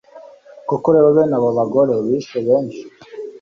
koko rero, bene abo bagore bishe benshi